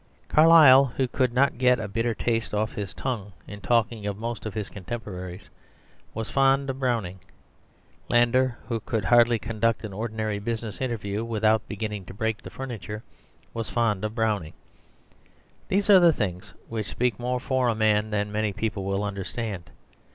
Carlyle, who could not get a bitter taste off his tongue in talking of most of his contemporaries, was fond of Browning. Landor, who could hardly conduct an ordinary business interview without beginning to break the furniture, was fond of Browning. These are things which speak more for a man than many people will understand.